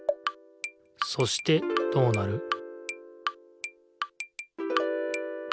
そしてどうなる？